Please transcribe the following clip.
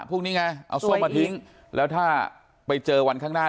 พวกนี้ไงเอาส้มมาทิ้งแล้วถ้าไปเจอวันข้างหน้า